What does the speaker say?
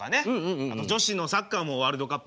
あと女子のサッカーもワールドカップありますし。